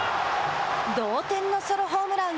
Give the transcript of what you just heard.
同点のソロホームラン。